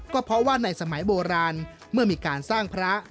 ก็เพราะว่าในสมัยโบราณเมื่อมีการสร้างพระ